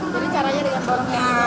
jadi caranya dengan borosnya